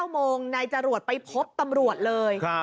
๙โมงนายจรวดไปพบตำรวจเลย